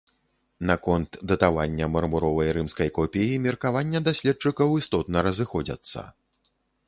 Наконт датавання мармуровай рымскай копіі меркавання даследчыкаў істотна разыходзяцца.